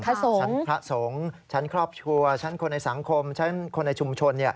ชั้นพระสงฆ์ชั้นครอบครัวชั้นคนในสังคมชั้นคนในชุมชน